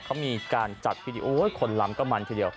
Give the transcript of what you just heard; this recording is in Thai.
เขามีการจัดพิธีโอ๊ยคนลำก็มันทีเดียว